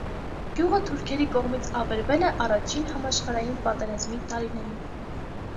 Գյուղը թուրքերի կողմից ավերվել է առաջին համաշխարհային պատերազմի տարիներին։